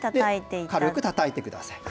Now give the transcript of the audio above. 軽くたたいてください。